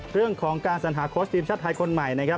เรื่องของการสัญหาโค้ชทีมชาติไทยคนใหม่นะครับ